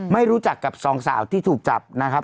ไม่รู้จักกับสองสาวที่ถูกจับนะครับ